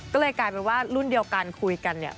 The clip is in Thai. ก็เลยกลายเป็นว่ารุ่นเดียวกันคุยกันเนี่ย